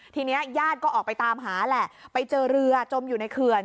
ทีนี้ญาติก็ออกไปตามหาแหละไปเจอเรือจมอยู่ในเขื่อน